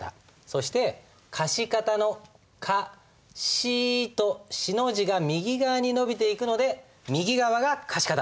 そして貸方の「かし」と「し」の字が右側に伸びていくので右側が貸方。